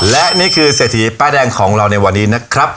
และนี่คือเศรษฐีป้ายแดงของเราในวันนี้นะครับ